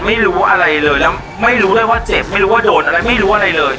ไม่รู้อะไรเลยแล้วไม่รู้ด้วยว่าเจ็บไม่รู้ว่าโดนอะไรไม่รู้อะไรเลย